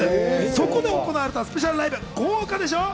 そこで行われたスペシャルライブ、豪華でしょう？